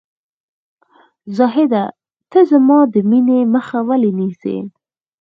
زاهده ! ته زما د مینې مخه ولې نیسې ؟